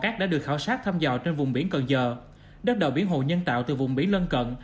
các mỏ cát đã được khảo sát thăm dò trên vùng biển cần giờ đất đậu biển hồ nhân tạo từ vùng biển lân cận